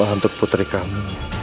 mohon doa untuk putri kami